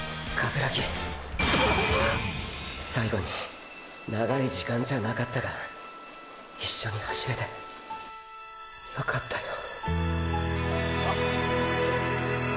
鏑木ーー最後に長い時間じゃなかったが一緒に走れてよかったよ